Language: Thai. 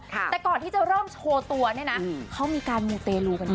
แต่ก่อนที่จะเริ่มโชว์ตัวเนี่ยนะเขามีการมูเตลูกัน